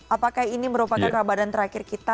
apakah ini merupakan ramadan terakhir kita